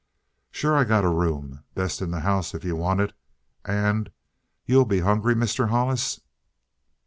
"Sure I got a room. Best in the house, if you want it. And you'll be hungry, Mr. Hollis?"